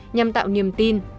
nhằm tạo niềm tin